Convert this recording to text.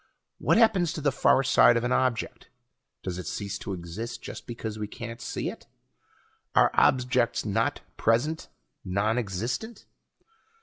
What happens to the far side of an object; does it cease to exist just because we can't see it? Are objects not present nonexistent?